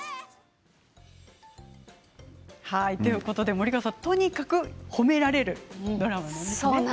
森川さん、とにかく褒められるドラマなんですね。